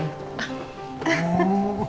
wah itu ada om baik